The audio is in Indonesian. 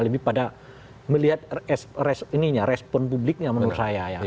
lebih pada melihat respon publiknya menurut saya